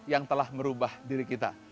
yang telah merubah diri kita